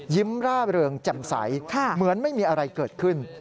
ร่าเริงแจ่มใสเหมือนไม่มีอะไรเกิดขึ้น